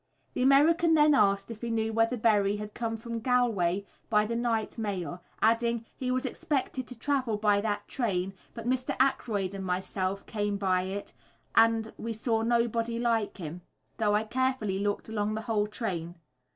The American then asked if he knew whether Berry had come from Galway by the night mail, adding "he was expected to travel by that train, but Mr. Aykroyd and myself came by it and we saw nobody like him, though I carefully looked along the whole train."